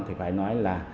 thì phải nói là